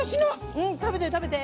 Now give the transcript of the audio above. うん食べて食べて。